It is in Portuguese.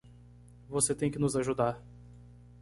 Você tem que nos ajudar.